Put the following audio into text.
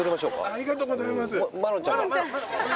ありがとうございます。